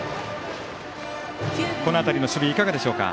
この辺りの守備いかがでしょうか。